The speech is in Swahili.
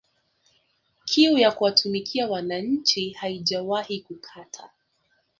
Kiu ya kuwatumikia wananchi haijawahi kukata